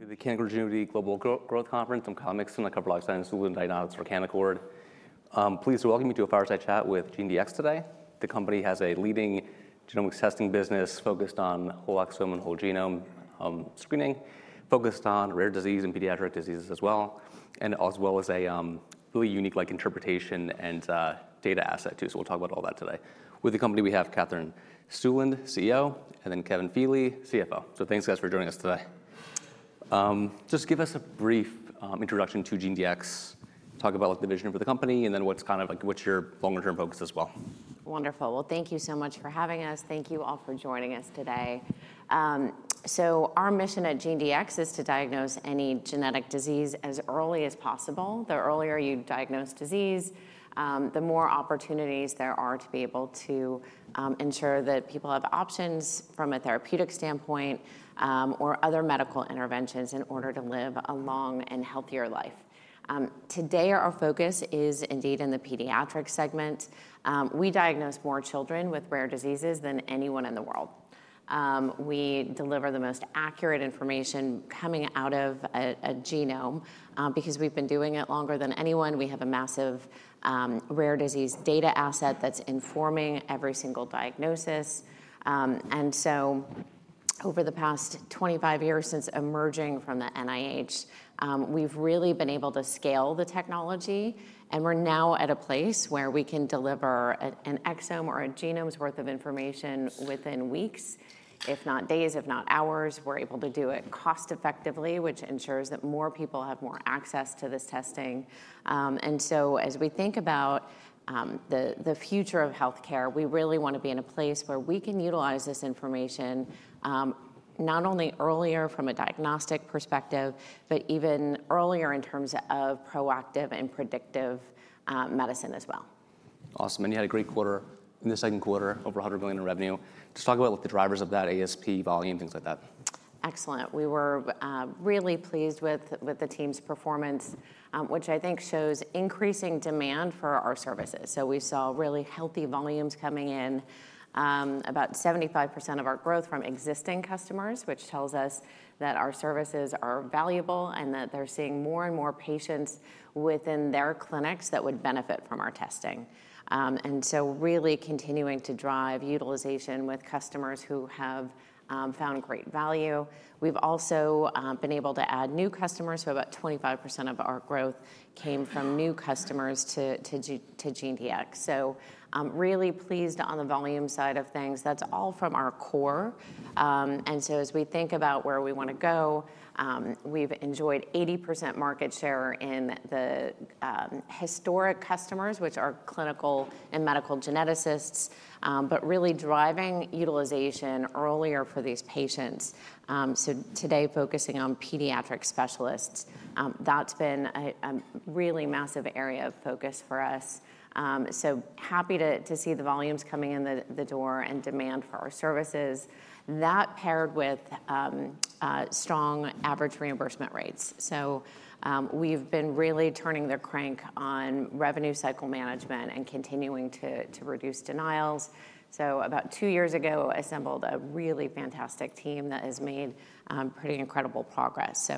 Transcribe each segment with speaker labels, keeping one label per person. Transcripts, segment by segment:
Speaker 1: The Can Global Growth conference on comics and I cover life science diagnostics Organic award. Please Felcome me to a Fireside Chat with GeneDx today. The company has a leading genomics testing business focused on whole exome and whole genome screening, focused on rare disease and pediatric diseases as well, as well as a really unique interpretation and data asset too. We'll talk about all that today with the company. We have Katherine Stueland, CEO, and then Kevin Feeley, CFO. Thanks guys for joining us today. Just give us a brief introduction to GeneDx, talk about the vision for the company and then what's kind of like what's your longer term focus as well?
Speaker 2: Wonderful. Thank you so much for having us. Thank you all for joining us today. Our mission at GeneDx is to diagnose any genetic disease as early as possible. The earlier you diagnose disease, the more opportunities there are to be able to ensure that people have options from a therapeutic standpoint or other medical interventions in order to live a long and healthier life. Today our focus is indeed in the pediatric segment. We diagnose more children with rare diseases than anyone in the world. We deliver the most accurate information coming out of a genome because we've been doing it longer than anyone. We have a massive rare disease data asset that's informing every single diagnosis. Over the past 25 years since emerging from the NIH, we've really been able to scale the technology and we're now at a place where we can deliver an exome or a genome's worth of information within weeks, if not days, if not hours. We're able to do it cost effectively, which ensures that more people have more access to this testing. As we think about the future of healthcare, we really want to be in a place where we can utilize this information not only earlier from a diagnostic perspective, but even earlier in terms of proactive and predictive medicine as well. Awesome. You had a great quarter in the second quarter, over $100 million in revenue. Just talk about the drivers of that NIH,, things like that. Excellent. We were really pleased with the team's performance, which I think shows increasing demand for our services. We saw really healthy volume coming in, about 75% of our growth from existing customers, which tells us that our services are valuable and that they're seeing more and more patients within their clinics that would benefit from our testing. Really continuing to drive utilization with customers who have found great value. We've also been able to add new customers. About 25% of our growth came from new customers to GeneDx. Really pleased on the volume side of things, all from our core. As we think about where we want to go, we've enjoyed 80% market share in the historic customers, which are clinical and medical geneticists, but really driving utilization earlier for these patients. Today, focusing on pediatric specialists, that's been a really massive area of focus for us. Happy to see the volumes coming in the door and demand for our services that paired with strong average reimbursement rates. We've been really turning the crank on revenue cycle management and continuing to reduce denials. About two years ago assembled a really fantastic team that has made pretty incredible progress.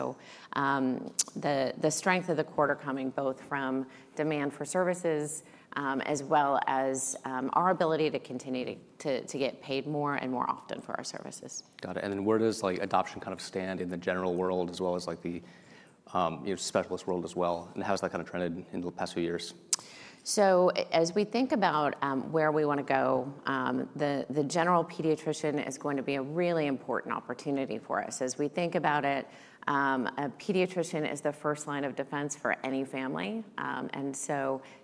Speaker 2: The strength of the quarter coming both from demand for services as well as our ability to continue to grow, to get paid more and more often for our services. Got it. Where does adoption kind of stand in the general world as well as the specialist world as well? How has that kind of trended in the past few years? As we think about where we want to go, the general pediatrician is going to be a really important opportunity for us. As we think about it, a pediatrician is the first line of defense for any family.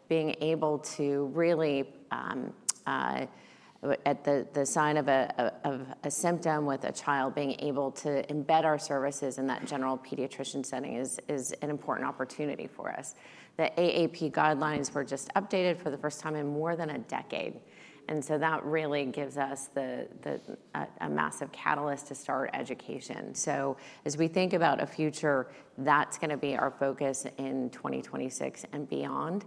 Speaker 2: Being able to really at the sign of a symptom with a child, being able to embed our services in that general pediatrician setting is an important opportunity for us. The American Academy of Pediatrics guidelines were just updated for the first time in more than a decade. That really gives us a massive catalyst to start education. As we think about a future, that's going to be our focus in 2026 and beyond.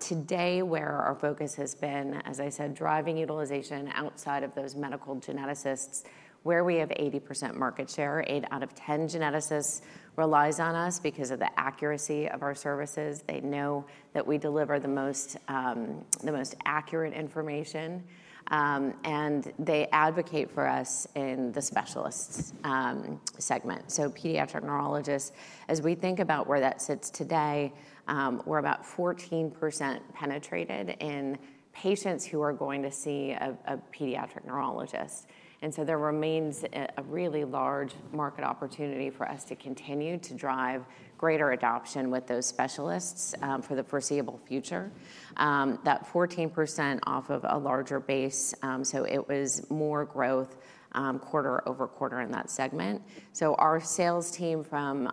Speaker 2: Today, where our focus has been, as I said, driving util outside of those medical geneticists, where we have 80% market share, 8 out of 10 geneticists relies on us because of the accuracy of our services. They know that we deliver the most accurate information and they advocate for us in the specialists segment. Pediatric neurologists, as we think about where that sits today, we're about 14% penetrated in patients who are going to see a pediatric neurologist. There remains a really large market opportunity for us to continue to drive greater adoption with those specialists for the foreseeable future. That 14% off of a larger base, so it was more growth quarter over quarter in that segment. Our sales team, from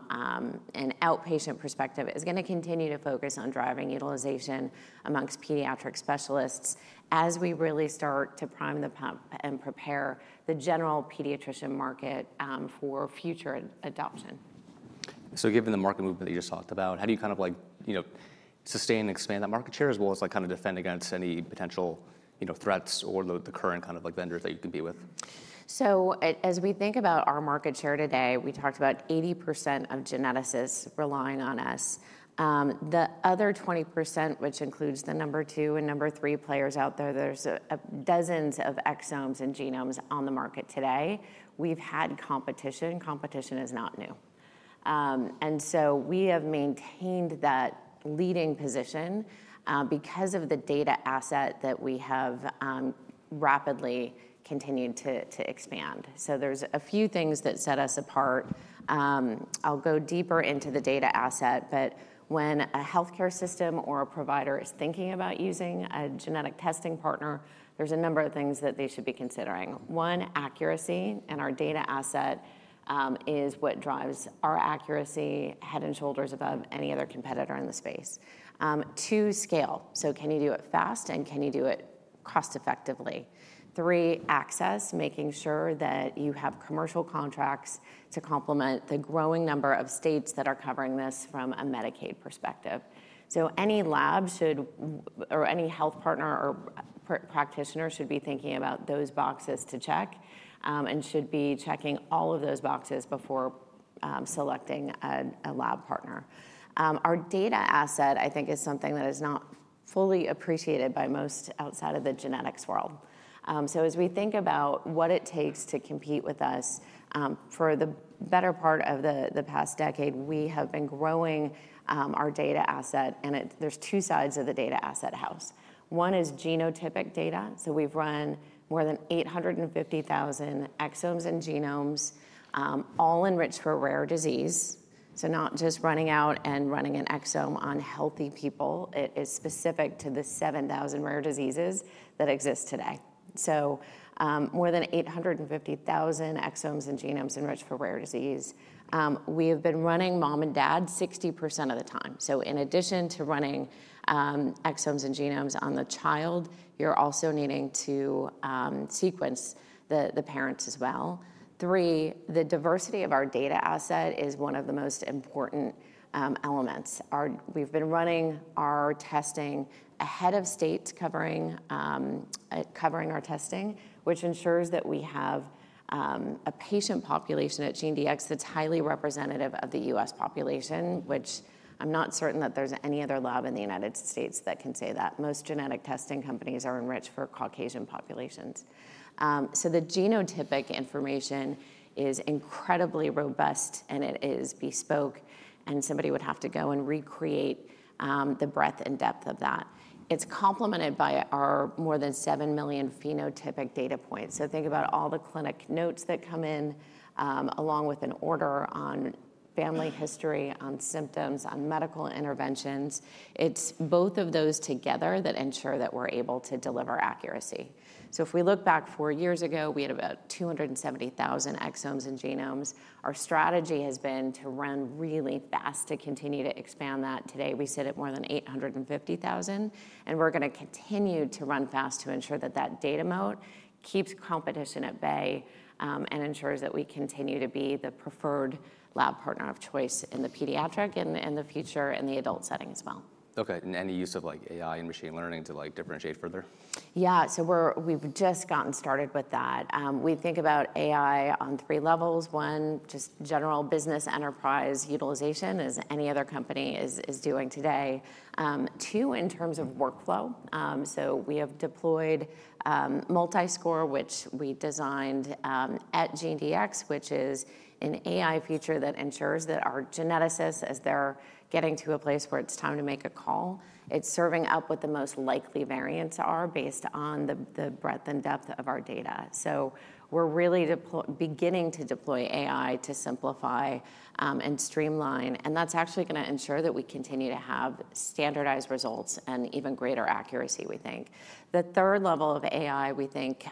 Speaker 2: an outpatient perspective, is going to continue to focus on driving utilization amongst pediatric specialists as we really start to prime the pump and prepare the general pediatrician market for future adoption. Given the market movement that you just talked about, how do you kind of sustain and expand that market share as well as kind of defend against any potential threats or the current kind of vendors that you compete with? As we think about our market share today, we talked about 80% of geneticists relying on us. The other 20%, which includes the number two and number three players out there, there's dozens of exomes and genomes. The market today, we've had competition. Competition is not new. We have maintained that leading position because of the data asset that we have rapidly continued to expand. There are a few things that set us apart. I'll go deeper into the data asset. When a healthcare system or a provider is thinking about using a genetic testing partner, there are a number of things that they should be considering. One, accuracy. Our data asset is what drives our accuracy head and shoulders above any other competitor in the space. Two, scale. Can you do it fast and can you do it cost effectively? Three, access. Making sure that you have commercial contracts to complement the growing number of states that are covering this from a Medicaid perspective. Any lab should, or any health partner or practitioner should be thinking about those boxes to check and should be checking all of those boxes before selecting a lab partner. Our data asset, I think, is something that is not fully appreciated by most outside of the genetics world. As we think about what it takes to compete with us, for the better part of the past decade, we have been growing our data asset. There are two sides of the data asset house. One is genotypic data. We've run more than 850,000 exomes and genomes, all enriched for rare disease. Not just running out and running an exome on healthy people. It is specific to the 7,000 rare diseases that exist today. More than 850,000 exomes and genomes enriched for rare disease. We have been running mom and dad 60% of the time. In addition to running exomes and genomes on the child, you're also needing to sequence the parents as well. The diversity of our data asset is one of the most important elements. We've been running our testing ahead of states covering our testing, which ensures that we have a patient population at GeneDx that's highly representative of the U.S. population, which I'm not certain that there's any other lab in the United States that can say that. Most genetic testing companies are enriched for Caucasian populations. The genotypic information is incredibly robust and it is bespoke and somebody would have to go and recreate the breadth and depth of that. It's complemented by our more than 7 million phenotypic data points. Think about all the clinic notes that come in, along with an order on family history, on symptoms, on medical interventions. It's both of those together that ensure that we're able to deliver accuracy. If we look back four years ago, we had about 270,000 exomes and genomes. Strategy has been to run really fast, to continue to expand that. Today we sit at more than 850,000 and we're going to continue to run fast to ensure that that data moat keeps competition at bay and ensures that we continue to be the preferred lab partner of choice in the pediatric and in the future in the adult setting as well. Okay. Any use of AI and machine learning to differentiate further? Yeah, we've just gotten started with that. We think about AI on three levels. One, just general business enterprise utilization as any other company is doing today. Two, in terms of workflow. We have deployed Multiscore AI-powered gene ranker, which we designed at GeneDx, which is an AI feature that ensures that our geneticists, as they're getting to a place where it's time to make a call, it's serving up what the most likely variants are based on the breadth and depth of our data. We're really beginning to deploy AI to simplify and streamline, and that's actually going to ensure that we continue to have standardized results and even greater accuracy, we think. The third level of AI, we think,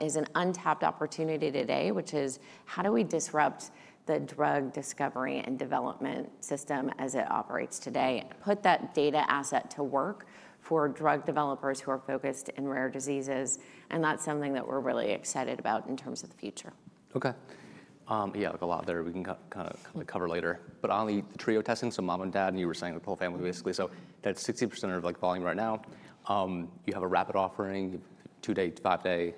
Speaker 2: is an untapped opportunity today, which is how do we disrupt the drug discovery and development system as it operates today, put that data asset to work for drug developers who are focused in rare diseases. That's something that we're really excited about in terms of the future. Okay, yeah, like a lot there. We can kind of cover later. On the trio testing, so mom and dad and you were saying with whole family basically, so that's 16% are like falling right now. You have a rapid offering, two day, five day,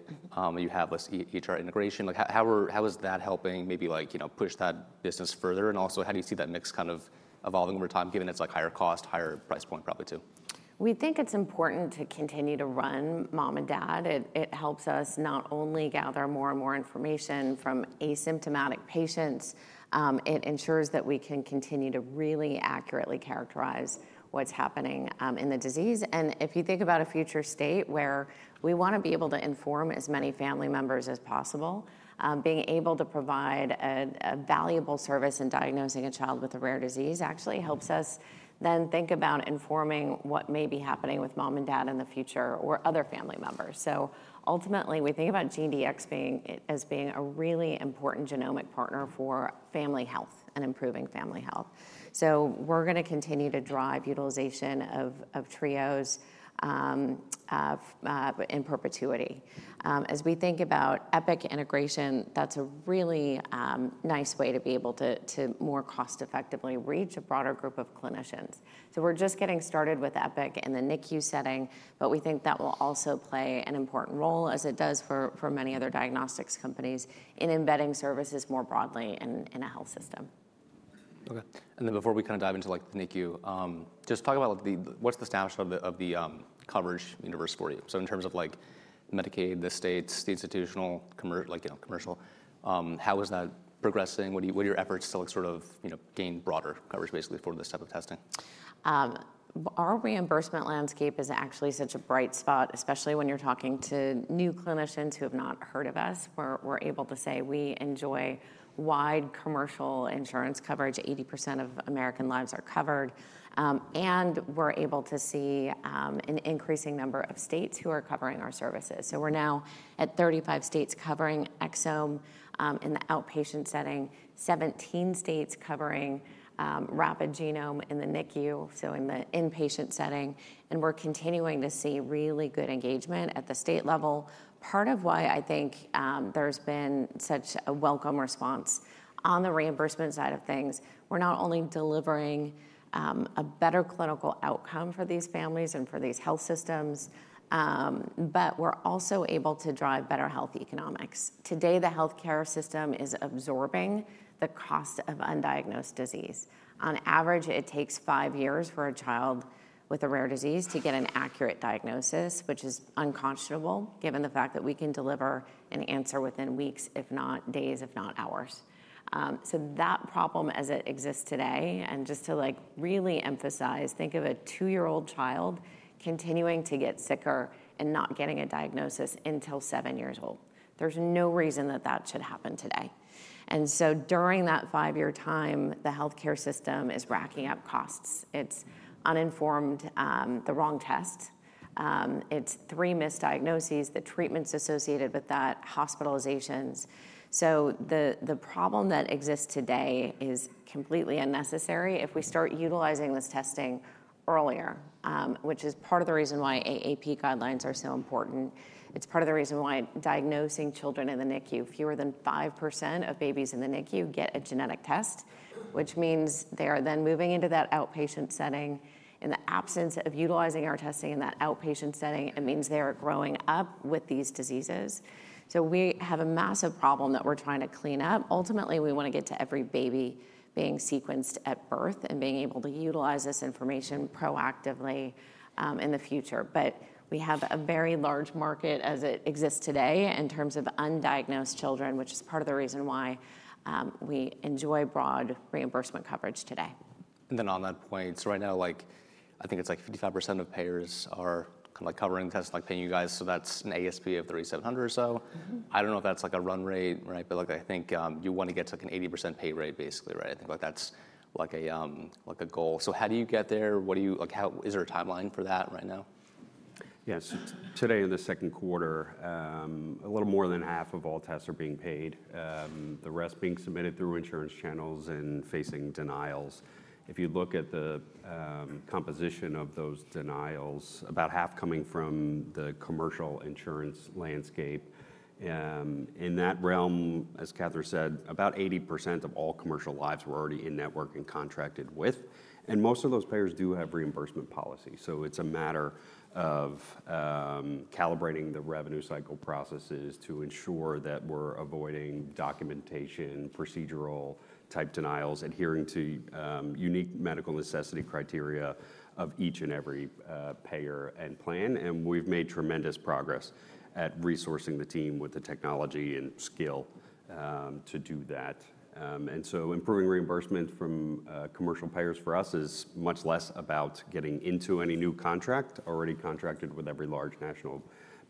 Speaker 2: you have this Epic Aura integration. How is that helping? Maybe like, you know, push that business further. Also, how do you see that mix kind of evolving over time? Given it's like higher cost, higher price. Point probably too, we think it's important to continue to run mom and dad. It helps us not only gather more and more information from asymptomatic patients, it ensures that we can continue to really accurately characterize what's happening in the disease. If you think about a future state where we want to be able to inform as many family members as possible, being able to provide a valuable service in diagnosing a child with a rare disease actually helps us then think about informing what may be happening with mom and dad in the future or other family members. Ultimately we think about GeneDx as being a really important genomic partner for family health and improving family health. We're going to continue to drive utilization of trios in perpetuity. As we think about Epic Aura integration, that's a really nice way to be able to more cost effectively reach a broader group of clinicians. We're just getting started with Epic Aura in the NICU setting, but we think that will also play an important role, as it does for many other diagnostics companies, in embedding services more broadly in a health system. Okay, and then before we kind of dive into NICU, just talk about the, what's the status of the coverage universe for you? In terms of Medicaid, the states, the institutional, commercial, like, you know, commercial, how is that progressing? What are your efforts to, like, sort of, you know, gain broader coverage basically for this type of testing? Our reimbursement landscape is actually such a bright spot, especially when you're talking to new clinicians who have not heard of us, where we're able to say we enjoy wide commercial insurance coverage, 80% of American lives are covered, and we're able to see an increasing number of states who are covering our services. We're now at 35 states covering exome in the outpatient setting, 17 states covering rapid genome in the NICU. In the inpatient setting, we're continuing to see really good engagement at the state level. Part of why I think there's been such a welcome response on the reimbursement side of things, we're not only delivering a better clinical outcome for these families and for these health systems, but we're also able to drive better health economics. Today, the healthcare system is absorbing the cost of undiagnosed disease. On average, it takes five years for a child with a rare disease to get an accurate diagnosis, which is unconscionable given the fact that we can deliver an answer within weeks, if not days, if not hours. That problem as it exists today, and just to really emphasize, think of a two year old child continuing to get sicker and not getting a diagnosis until seven years old, there's no reason that that should happen today. During that five year time, the healthcare system is racking up costs. It's uninformed, the wrong test, it's three misdiagnoses, the treatments associated with that, hospitalizations. The problem that exists today is completely unnecessary if we start utilizing this testing earlier, which is part of the reason why AAP guidelines are so important. It's part of the reason why diagnosing children in the NICU. Fewer than 5% of babies in the NICU get a genetic test, which means they are then moving into that outpatient setting. In the absence of utilizing our testing in that outpatient setting, it means they are growing up with these diseases. We have a massive problem that we're trying to clean up. Ultimately we want to get to every baby being sequenced at birth and being able to utilize this information proactively in the future. We have a very large market as it exists today in terms of undiagnosed children, which is part of the reason why we enjoy broad reimbursement coverage today. On that point, right now I think it's like 55% of payers are kind of covering tests, like paying you guys. That's an ASP of $3,700 or so. I don't know if that's a run rate, but I think you want to get to an 80% pay rate basically. I think that's a goal. How do you get there? Is there a timeline for that right now?
Speaker 3: Yes, today in the second quarter, a little more than half of all tests are being paid, the rest being submitted through insurance channels and facing denials. If you look at the composition of those denials, about half coming from the commercial insurance landscape. In that realm, as Katherine said, about 80% of all commercial lives were already in network and contracted with and most of those payers do have reimbursement policies. It's a matter of calibrating the revenue cycle processes to ensure that we're avoiding documentation procedural type denials, adhering to unique medical necessity criteria of each and every payer and plan. We've made tremendous progress at resourcing the team with the technology and skill to do that. Improving reimbursement from commercial payers for us is much less about getting into any new contract already contracted with every large national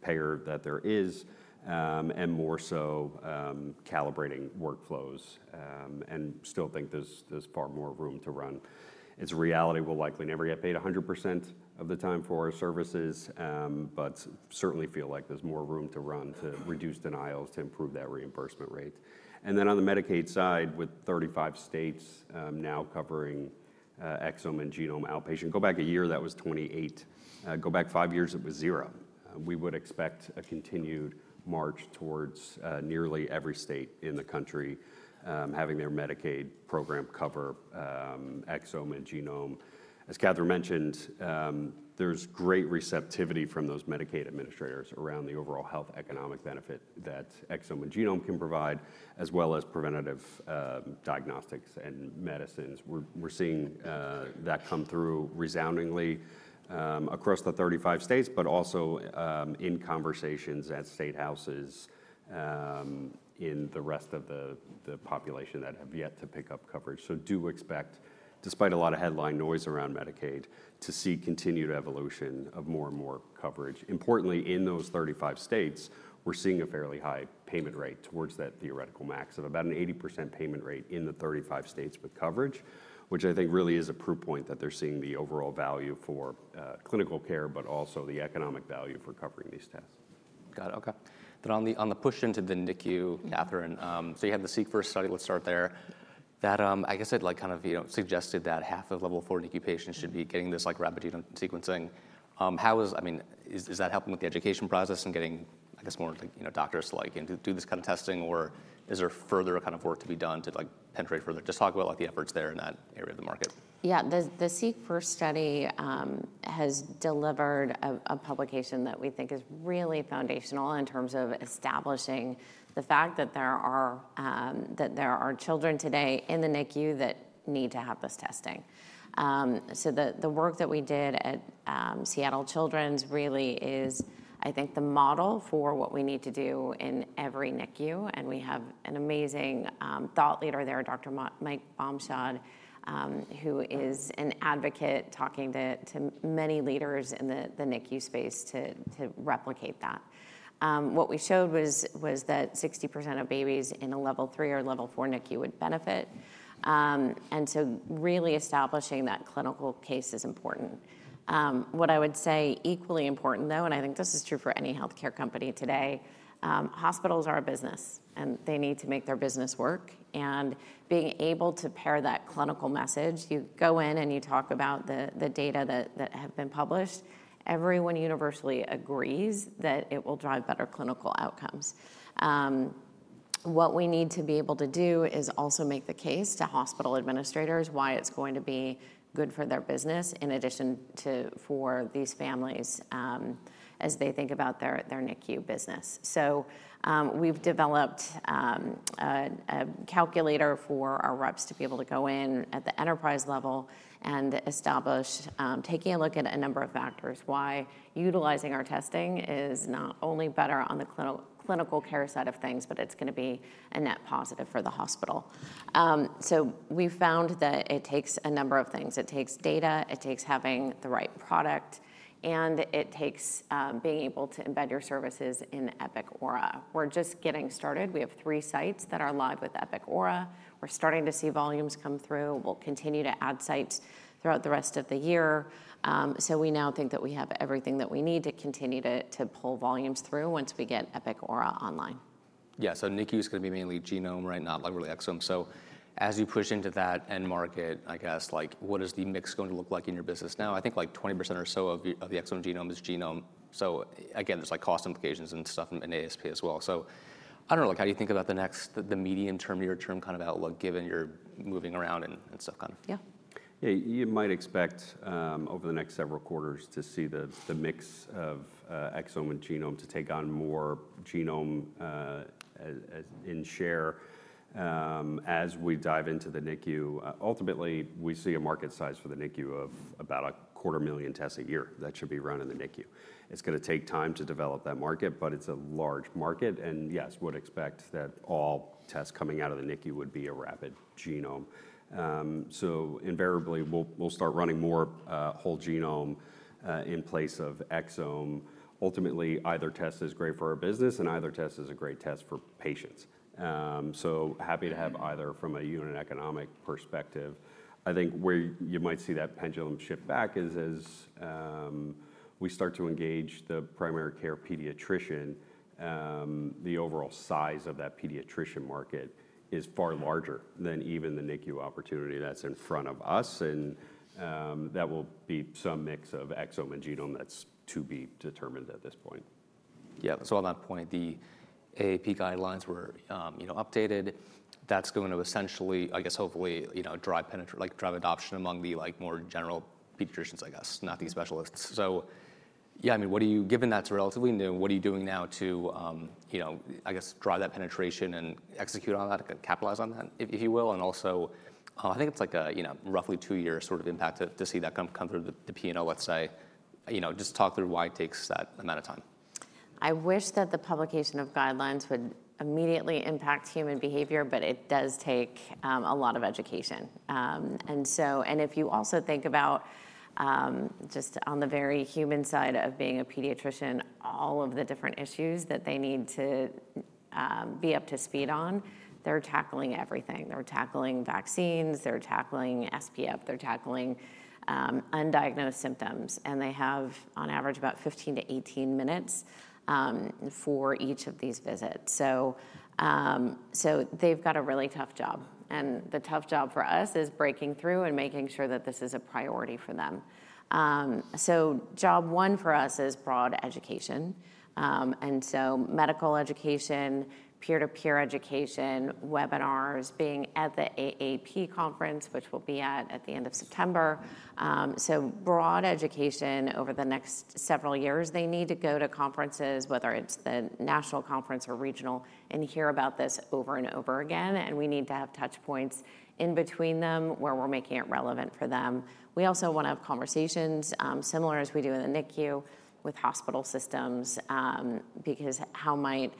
Speaker 3: payer that there is, and more so calibrating workflows and still think there's far more room to run as a reality. We'll likely never get paid 100% of the time for our services, but certainly feel like there's more room to run to reduce denials to improve that reimbursement rate. On the Medicaid side, with 35 states now covering exome and genome outpatient. Go back a year, that was 28, go back five years, it was zero, we would expect a continued march towards nearly every state in the country having their Medicaid program cover exome and genome. As Katherine mentioned, there's great receptivity from those Medicaid administrators around the overall health economics benefit that exome and genome can provide, as well as preventative diagnostics and medicines. We're seeing that come through resoundingly across the 35 states, also in conversations at state houses in the rest of the population that have yet to pick up coverage. I do expect, despite a lot of headline noise around Medicaid, to see continued evolution of more and more coverage. Importantly, in those 35 states, we're seeing a fairly high payment rate towards that theoretical max of about an 80% payment rate in the 35 states with coverage, which I think really is a proof point that they're seeing the overall value for clinical care, but also the economic value for covering these tests. Got it. Okay, then on the push into the NICU, Katherine, so you had the Seek First study. Let's start there. That, I guess, kind of suggested that half of level four NICU patients should be getting this rapid genome sequencing. How is, I mean, is that helping with the education process and getting, I guess, more doctors to do this kind of testing or is there further work to be done to penetrate further to talk about the efforts there in that area of the market?
Speaker 2: Yeah, the SEEK First study has delivered a publication that we think is really foundational in terms of establishing the fact that there are children today in the NICU that need to have this testing. The work that we did at Seattle Children's really is, I think, the model for what we need to do in every NICU. We have an amazing thought leader there, Dr. Matthew Mike Omshad, who is an advocate talking to many leaders in the NICU space to replicate that. What we showed was that 60% of babies in a level 3 or level 4 NICU would benefit. Really establishing that clinical case is important. What I would say is equally important though, and I think this is true for any healthcare company today. Hospitals are a business and they need to make their business work, and being able to pair that clinical message. You go in and you talk about the data that have been published. Everyone universally agrees that it will drive better clinical outcomes. What we need to be able to do is also make the case to hospital administrators why it's going to be good for their business in addition for these families as they think about their NICU business. We've developed a calculator for our reps to be able to go in at the enterprise level and establish, taking a look at a number of factors, why utilizing our testing is not only better on the clinical care side of things, but it's going to be a net positive for the hospital. We found that it takes a number of things. It takes data, it takes having the right product, and it takes being able to embed your services in Epic Aura. We're just getting started. We have three sites that are live with Epic Aura. We're starting to see volumes come through. We'll continue to add sites throughout the rest of the year. We now think that we have everything that we need to continue to pull volumes through once we get Epic Aura online. Yeah. NICU is going to be mainly genome, right? Not like really exome. As you push into that end market, what is the mix going to look like in your business now? I think like 20% or so of the exome genome is genome. There are cost implications and stuff in ASP as well. How do you think about the next, the medium term, near term kind of outlook given you are moving around and stuff? Kind of. Yeah,
Speaker 3: yeah. You might expect over the next several quarters to see the mix of exome and genome to take on more genome in share as we dive into the NICU. Ultimately, we see a market size for the NICU of about a quarter million tests a year that should be run in the NICU. It's going to take time to develop that market, but it's a large market and yes, would expect that all tests coming out of the NICU would be a rapid genome. Invariably, we'll start running more whole genome in place of exome. Ultimately, either test is great for our business and either test is a great test for patients. Happy to have either. From a unit economic perspective, I think where you might see that pendulum shift back is as we start to engage the primary care pediatrician. The overall size of that pediatrician market is far larger than even the NICU opportunity that's in front of us and that will be some mix of exome and genome. That's to be determined at this point. Yeah. At that point the AAP guidelines were updated. That's going to essentially, I guess, hopefully drive adoption among the more general pediatricians, not these specialists. What are you given that's relatively new, what are you doing now to drive that penetration and execute on that, capitalize on that, if you will. I think it's like a roughly two year sort of impact to see that come through the P and O. Let's just talk through why it takes that amount of time.
Speaker 2: I wish that the publication of guidelines would immediately impact human behavior, but it does take a lot of education. If you also think about just on the very human side of being a pediatrician, of the different issues that they need to be up to speed on, they're tackling everything. They're tackling vaccines, they're tackling SPF, they're tackling undiagnosed symptoms, and they have on average about 15-18 minutes for each of these visits. They've got a really tough job. The tough job for us is breaking through and making sure that this is a priority for them. Job one for us is broad education, and so medical education, peer-to-peer education, webinars, being at the AAP conference, which will be at the end of September. Broad education over the next several years, they need to go to conferences, whether it's the national conference or regional, and hear about this over and over again. We need to have touch points in between them where we're making it relevant for them. We also want to have conversations similar as we do in the NICU with hospital systems, because how might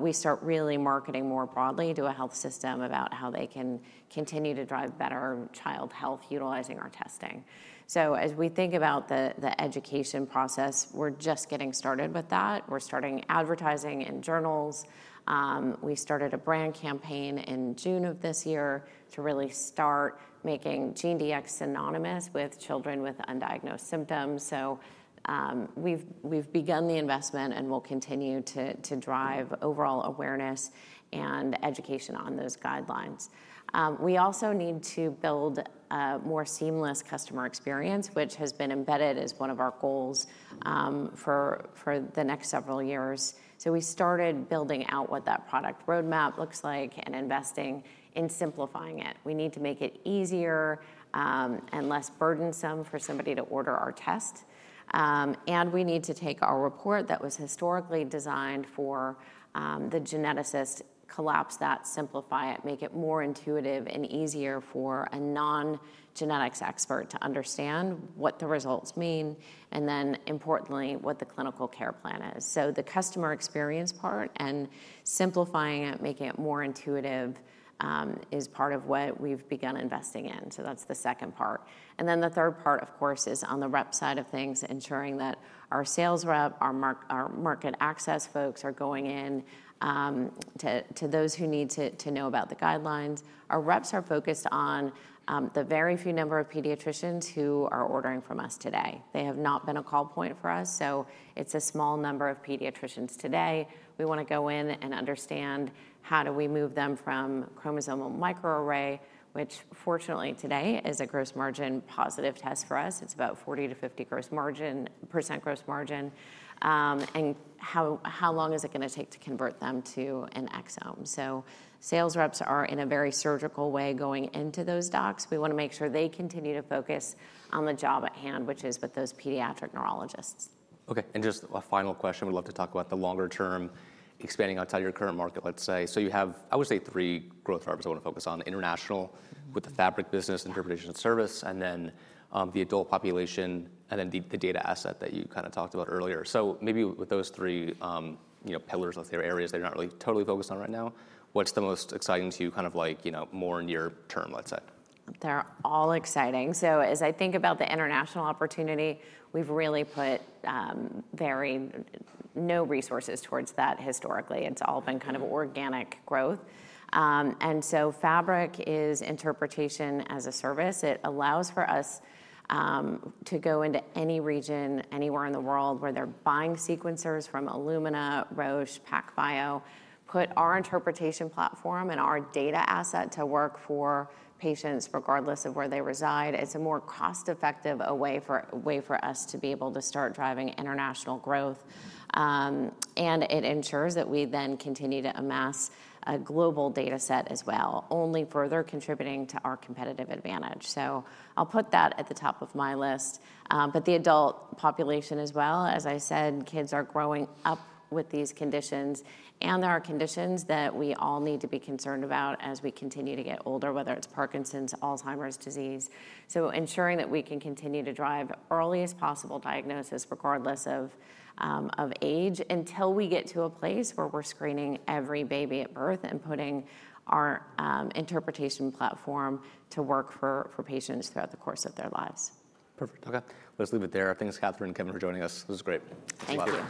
Speaker 2: we start really marketing more broadly to a health system about how they can continue to drive better child health utilizing our testing. As we think about the education process, we're just getting started with that. We're starting advertising in journals. We started a brand campaign in June of this year to really start making GeneDx synonymous with children with undiagnosed symptoms. We've begun the investment and we'll continue to drive overall awareness and education on those guidelines. We also need to build a more seamless customer experience, which has been embedded as one of our goals for the next several years. We started building out what that product roadmap looks like and investing in simplifying it. We need to make it easier and less burdensome for somebody to order our test, and we need to take our report that was historically designed for the geneticist, collapse that, simplify it, make it more intuitive and easier for a non-genetics expert to understand what the results mean and then importantly what the clinical care plan is. The customer experience part and simplifying it, making it more intuitive, is part of what we've begun investing in. That's the second part. The third part of course is on the rep side of things, ensuring that our sales rep, our market access folks, are going in to those who need to know about the guidelines. Our reps are focused on the very few number of pediatricians who are ordering from us today. They have not been a call point for us. It's a small number of pediatricians today. We want to go in and understand how do we move them from chromosomal microarray, which fortunately today is a gross margin positive test. For U.S. it's about 40%-50% gross margin, and how long is it going to take to convert them to an exome? Sales reps are in a very surgical way going into those docs. We want to make sure they continue to focus on the job at hand, which is with those pediatric neurologists. Okay. Just a final question. We'd love to talk about the longer term, expanding outside your current market, let's say. You have, I would say, three growth drivers. I want to focus on international with the Fabric business interpretation service, then the adult population, and then the data asset that you kind of talked about earlier. Maybe with those three pillars, let's say areas they're not really totally focused on right now. What's the most exciting to you? Kind of like, you know, more near. Term, let's say they're all exciting. As I think about the international opportunity, we've really put very no resources towards that. Historically, it's all been kind of organic growth. Fabric is interpretation as a service. It allows for us to go into any region, anywhere in the world where they're buying sequencers from Illumina, Roche, PacBio, put our interpretation platform and our data asset to work for patients regardless of where they reside. It's a more cost-effective way for us to be able to start driving international growth, and it ensures that we then continue to amass a global data set as well, only further contributing to our competitive advantage. I'll put that at the top of my list. The adult population as well, as I said, kids are growing up with these conditions and there are conditions that we all need to be concerned about as we continue to get older, whether it's Parkinson's, Alzheimer's disease. Ensuring that we can continue to drive earliest possible diagnosis, regardless of age, until we get to a place where we're screening every baby at birth and putting our interpretation platform to work for patients throughout the course of their lives. Perfect. Okay, let's leave it there. Thanks, Katherine and Kevin, for joining us. This is great. Thank you.